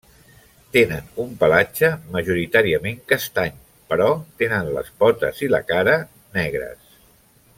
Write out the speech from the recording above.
Tenen un pelatge majoritàriament castany, però tenen les potes i la cara negres.